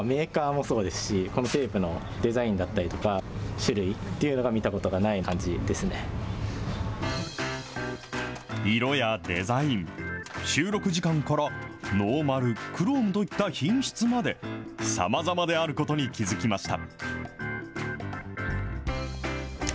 初めはカセットテープそのものの色やデザイン、収録時間から、ノーマル、クロームといった品質まで、さまざまであることに気付きました。